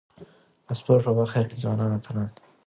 د سپورت په برخه کي ځوانان اتلان دي.